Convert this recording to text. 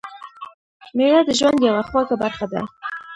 میوه د ژوند یوه خوږه برخه ده.